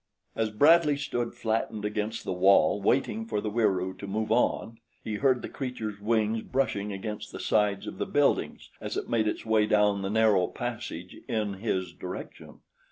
As Bradley stood flattened against the wall waiting for the Wieroo to move on, he heard the creature's wings brushing against the sides of the buildings as it made its way down the narrow passage in his direction.